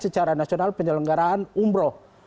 secara nasional penyelenggaraan umroh